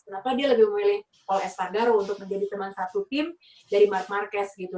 kenapa dia lebih memilih call espadaro untuk menjadi teman satu tim dari mark marquez gitu